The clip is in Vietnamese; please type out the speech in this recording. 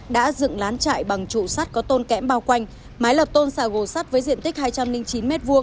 đã dựng lán chạy bằng trụ sắt có tôn kẽm bao quanh mái lập tôn xà gồ sắt với diện tích hai trăm linh chín m hai